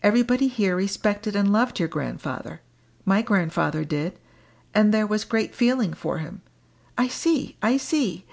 Everybody here respected and loved your grandfather my grandfather did and there was great feeling for him " "I see! I see!"